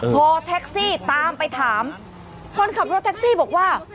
พอแท็กซี่ตามไปถามคนขับรถแท็กซี่บอกว่า